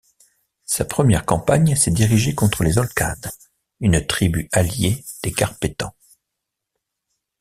Sa première campagne s'est dirigée contre les Olcades, une tribu alliée des Carpétans.